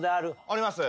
あります。